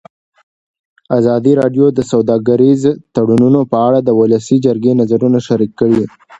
ازادي راډیو د سوداګریز تړونونه په اړه د ولسي جرګې نظرونه شریک کړي.